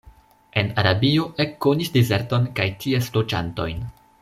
En Arabio ekkonis dezerton kaj ties loĝantojn.